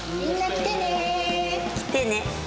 来てね。